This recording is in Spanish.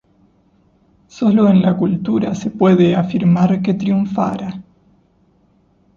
Solo en la cultura se puede afirmar que triunfara.